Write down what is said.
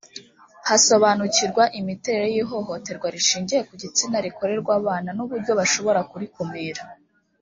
basobanukirwa imiterere y ihohoterwa rishingiye ku gitsina rikorerwa abana n uburyo bashobora kurikumira